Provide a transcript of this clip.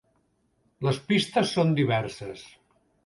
Les pistes són diverses.